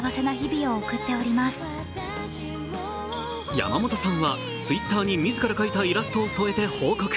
山本さんはＴｗｉｔｔｅｒに自ら描いたイラストを添えて報告。